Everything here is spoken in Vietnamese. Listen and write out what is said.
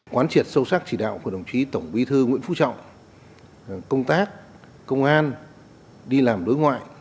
quán triệt sâu sắc chỉ đạo của đồng chí tổng bí thư nguyễn phú trọng công tác công an đi làm đối ngoại